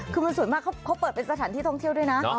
คือมันสวยมากเขาเปิดเป็นสถานที่ท่องเที่ยวด้วยนะ